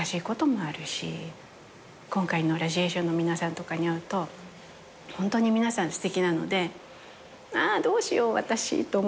今回の『ラジエーション』の皆さんとかに会うとホントに皆さんすてきなのでああどうしよう私と思うみたいなのは。